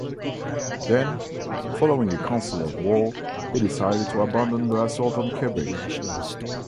Then, following a council of war, he decided to abandon the assault on Quebec.